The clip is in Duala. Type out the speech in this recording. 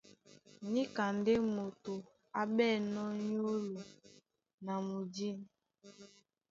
Níka ndé moto á ɓɛ̂nnɔ́ nyólo na mudî.